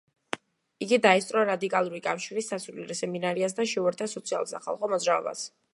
იგი დაესწრო რადიკალური კავშირის სასულიერო სემინარიას და შეუერთდა სოციალურ სახალხო მოძრაობას.